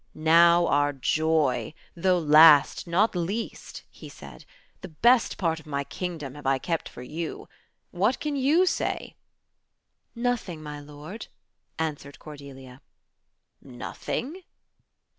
"Now, our joy, though last not least," he said, "the best part of my kingdom have I kept for you. What can you say?" "Nothing, my lord," answered Cordelia. "Nothing?"